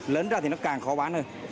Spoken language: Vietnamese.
lớn ra thì nó càng khó bán hơn